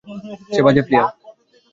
সে বাজে প্লেয়ার।